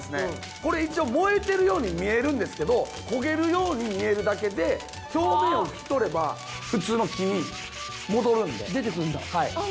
これ一応燃えてるように見えるんですけど焦げるように見えるだけで表面を拭き取れば普通の木に戻るんで出てくるんだはいあっ